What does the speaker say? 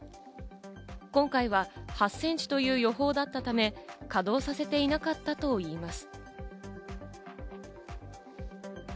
今回は８センチという予報だったため、稼働させていなかったといいます。